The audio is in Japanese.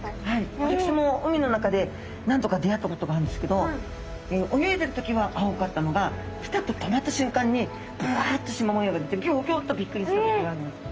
私も海の中で何度か出会ったことがあるんですけど泳いでる時は青かったのがピタッと止まった瞬間にぶわっとしま模様が出てギョギョッとびっくりしたことがあります。